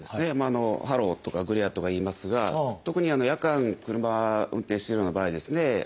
ハローとかグレアとか言いますが特に夜間車運転してるような場合ですね